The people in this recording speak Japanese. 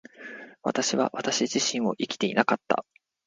私は私自身を生きていなかった。